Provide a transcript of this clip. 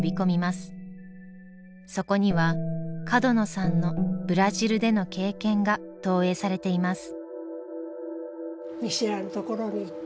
そこには角野さんのブラジルでの経験が投影されています。